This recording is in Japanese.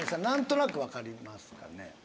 何となく分かりますかね？